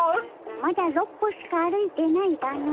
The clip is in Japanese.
まだ６歩しか歩いてないがの。